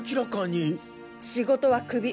仕事はクビ。